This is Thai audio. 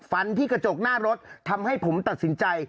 ฟันที่กระจกหน้ารถทำให้ผมตัดสินใจ